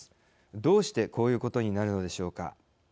どうしてこういうことになるのでしょうか。